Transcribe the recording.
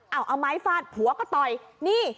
เอาเอาไม้ฟาดผัวก็ต่อยนี่